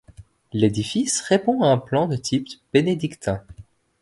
L'édifice répond à un plan de type bénédictin.